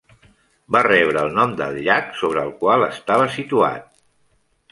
Va rebre el nom del llac sobre el qual estava situat.